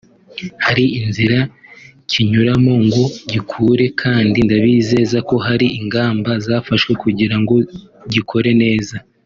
Hari inzira kinyuramo ngo gikure kandi ndabizeza ko hari ingamba zafashwe kugira ngo gikore neza